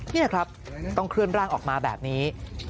นี่ครับต้องเคลื่อนร่างออกมาแบบนี้